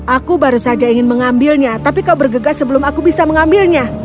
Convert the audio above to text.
aku baru saja ingin mengambilnya tapi kau bergegas sebelum aku bisa mengambilnya